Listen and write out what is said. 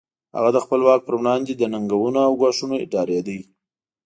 هغه د خپل واک پر وړاندې له ننګونو او ګواښونو ډارېده.